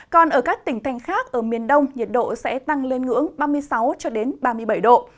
còn ở các tỉnh thành khác ở miền đông nhiệt độ sẽ tăng lên ngưỡng ba mươi sáu ba mươi bảy độ